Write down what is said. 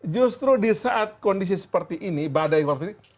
justru di saat kondisi seperti ini badai seperti ini